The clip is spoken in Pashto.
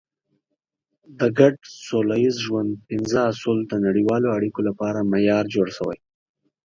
د ګډ سوله ییز ژوند پنځه اصول د نړیوالو اړیکو لپاره معیار جوړ شوی.